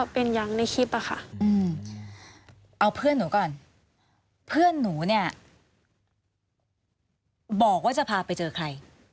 บอกว่าจะพาไปเจอใคร